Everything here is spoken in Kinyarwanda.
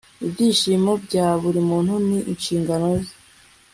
Ibyishimo bya buri muntu ni inshingano ze